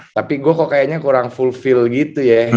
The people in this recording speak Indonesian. tapi gue kok kayaknya kurang fulfill gitu ya